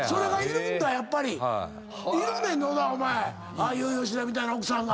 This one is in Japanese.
ああいう吉田みたいな奥さんが。